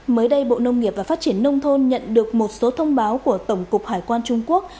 mới đây bộ nông nghiệp và phát triển nông thôn nhận được một số thông báo của tổng cục hải quan trung quốc